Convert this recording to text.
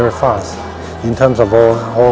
kita harus memiliki kontak center yang cukup bagus